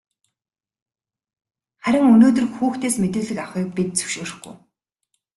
Харин өнөөдөр хүүхдээс мэдүүлэг авахыг бид зөвшөөрөхгүй.